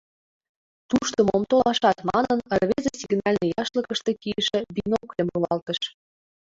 «Тушто мом толашат?» манын, рвезе сигнальный яшлыкыште кийыше бинокльым руалтыш.